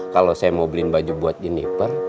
kalau saya mau beli baju buat jenniper